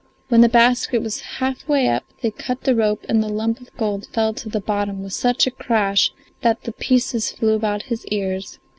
When the basket was half way up they cut the rope and the lump of gold fell to the bottom with such a crash that the pieces flew about his ears.